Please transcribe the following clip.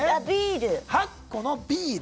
８個のビール。